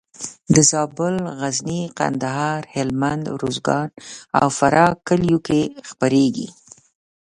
د زابل، غزني، کندهار، هلمند، روزګان او فراه کلیو کې خپرېږي.